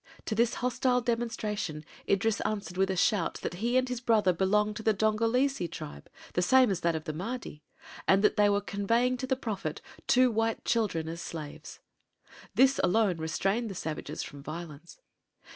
To this hostile demonstration Idris answered with a shout that he and his brother belonged to the Dongolese tribe, the same as that of the Mahdi, and that they were conveying to the prophet two white children as slaves; this alone restrained the savages from violence.